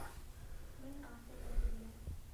Min asê nekiriye.